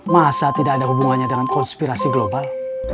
masa tidak ada hubungannya dengan konspirasi global